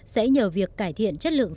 sẽ nhờ việc cải thiện chất lượng